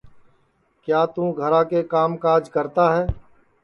کیا توں گھرا کے کام کاج کرتا ہے